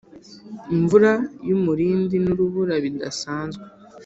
imvura y’umurindi n’urubura bidasanzwe,